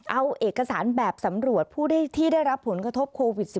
เอาเอกสารแบบสำรวจผู้ที่ได้รับผลกระทบโควิด๑๙